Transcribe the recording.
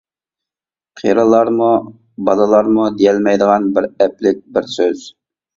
قېرىلارمۇ، بالىلارمۇ دېيەلەيدىغان بىر ئەپلىك بىر سۆز.